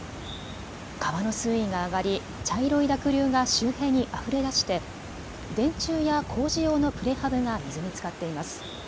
川の水位が上がり茶色い濁流が周辺にあふれ出して電柱や工事用のプレハブが水につかっています。